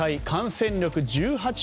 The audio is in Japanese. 感染力１８％